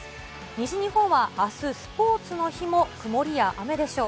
西日本はあす、スポーツの日も曇りや雨でしょう。